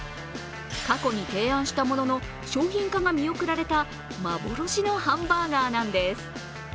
過去の提案したものの商品化が見送られた幻のハンバーガーなんです。